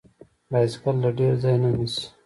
بایسکل له ډیر ځای نه نیسي.